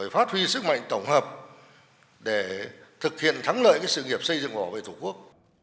phát huy sức mạnh tổng hợp để thực hiện thắng lợi sự nghiệp xây dựng võ về tổ quốc